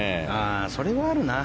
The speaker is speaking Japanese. それはあるな。